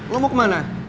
lo mau kemana